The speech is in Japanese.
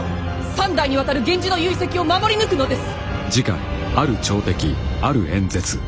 三代にわたる源氏の遺跡を守り抜くのです。